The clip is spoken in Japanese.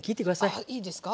あいいんですか？